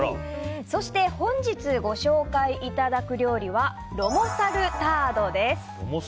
そして本日ご紹介いただく料理はロモサルタードです。